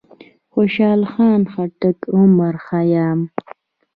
خوشحال خان خټک، عمر خيام،